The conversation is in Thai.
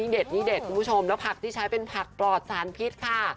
เด็ดนี้เด็ดคุณผู้ชมแล้วผักที่ใช้เป็นผักปลอดสารพิษค่ะ